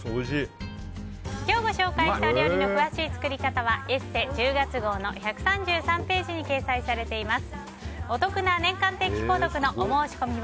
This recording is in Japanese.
今日ご紹介した料理の詳しい作り方は「ＥＳＳＥ」１０月号の１３３ページに掲載しています。